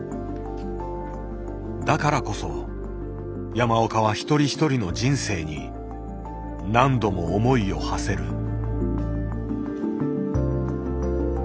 だからこそ山岡は一人一人の人生に何度も思いをはせる。